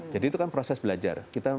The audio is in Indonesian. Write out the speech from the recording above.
jadi itu kan proses belajar kita